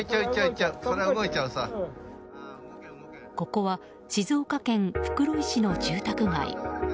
ここは静岡県袋井市の住宅街。